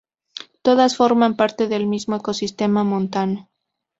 Todas forman parte del mismo ecosistema montano.